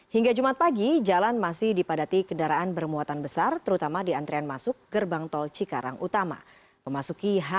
hingga jumat pagi jalan masih dipadati kendaraan bermuatan besar terutama di antrian masuk gerbang tol cikarang utama memasuki